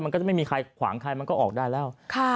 มันก็จะไม่มีใครขวางใครมันก็ออกได้แล้ว